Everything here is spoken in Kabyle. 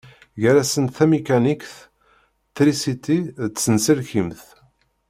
Gar-asent tamikanikt, trisiti d tsenselkimt.